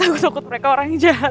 aku takut mereka orangnya jahat